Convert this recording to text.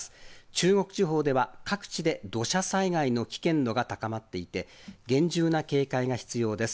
中国地方では、各地で土砂災害の危険度が高まっていて、厳重な警戒が必要です。